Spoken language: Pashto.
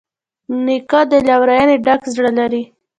نیکه د لورینې ډک زړه لري.